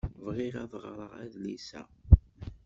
Bɣiɣ ad ɣreɣ adlis-a.